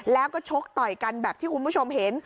แล้วก็ชกต่อยกันแบบที่คุณผู้ชมเห็น